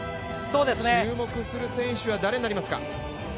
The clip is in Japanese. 注目する選手は誰になりますか？